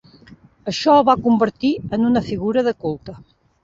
Això el va convertir en una figura de culte.